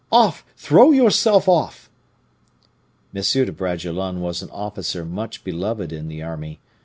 off! throw yourself off!' M. de Bragelonne was an officer much beloved in the army.